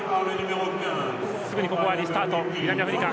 すぐにリスタート、南アフリカ。